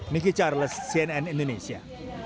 miki charles cnn indonesia